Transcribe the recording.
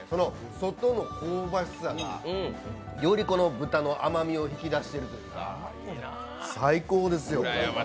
外の香ばしさが、より豚の甘みを引き出しているというか、最高ですよ。